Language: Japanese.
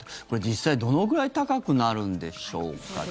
これは実際どのぐらい高くなるのでしょうか。